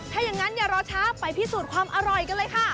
ถ้าอย่างนั้นอย่ารอช้าไปพิสูจน์ความอร่อยกันเลยค่ะ